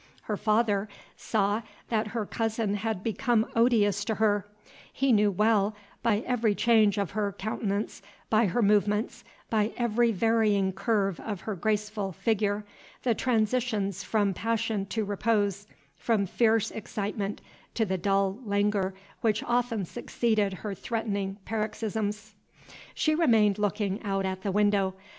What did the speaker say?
Her father saw that her cousin had become odious to her: He knew well, by every change of her countenance, by her movements, by every varying curve of her graceful figure, the transitions front passion to repose, from fierce excitement to the dull languor which often succeeded her threatening paroxysms. She remained looking out at the window.